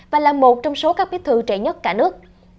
và là một trong số các bí thư trẻ nhất cả nước